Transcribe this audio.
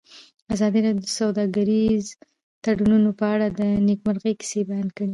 ازادي راډیو د سوداګریز تړونونه په اړه د نېکمرغۍ کیسې بیان کړې.